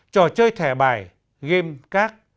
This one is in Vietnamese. trò chơi thẻ bài game các